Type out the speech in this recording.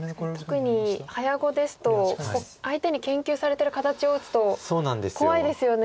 特に早碁ですと相手に研究されてる形を打つと怖いですよね。